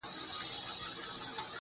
هغه به چيري وي_